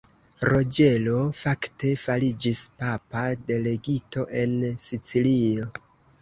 Roĝero, fakte, fariĝis papa delegito en Sicilio.